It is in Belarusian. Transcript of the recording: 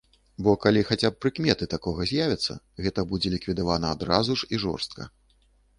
Бо калі хаця б прыкметы такога з'явяцца, гэта будзе ліквідавана адразу ж і жорстка.